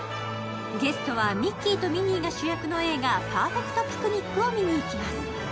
ゲストはミッキーとミニーが主役の映画、「パーフェクト・ピクニック」を見に行きます。